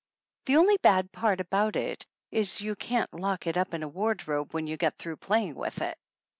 The only bad part about it is that you can't lock it up in the wardrobe when you get through play ing with it.